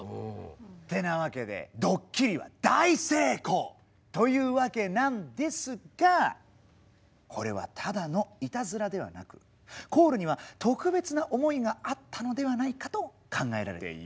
ってなわけでドッキリは大成功！というわけなんですがこれはただのイタズラではなくコールには特別な思いがあったのではないかと考えられています。